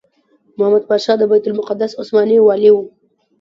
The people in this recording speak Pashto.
محمد پاشا د بیت المقدس عثماني والي وو.